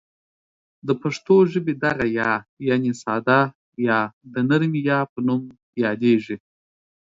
د پښتو ژبې دغه یا ی د نرمې یا په نوم یادیږي.